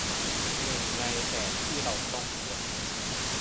หนึ่งในแอกที่เราต้องปลด